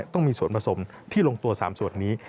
ต้องมีส่วนผสมที่ลงตัว๓ส่วนนี้